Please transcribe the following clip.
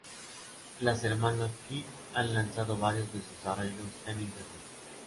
Las hermanas Kitt han lanzado varios de sus arreglos en Internet.